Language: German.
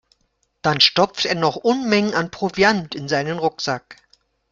Dann stopfte er noch Unmengen an Proviant in seinen Rucksack.